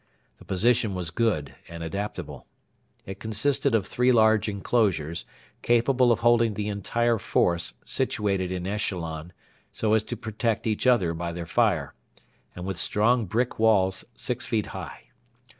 The position was good and adaptable. It consisted of three large enclosures, capable of holding the entire force, situated in echelon, so as to protect each other by their fire, and with strong brick walls six feet high.